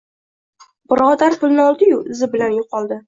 Birodar pulni oldiyu, izi bilan yo‘qoldi.